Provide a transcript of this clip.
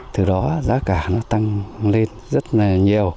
từ đó giá cả nó tăng lên rất là nhiều